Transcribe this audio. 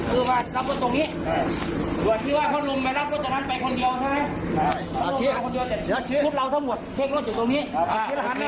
คือว่ารับรถตรงนี้พี่ว่าคนลุงไม่รับรถจากนั้นไปคนเดียวใช่ไหม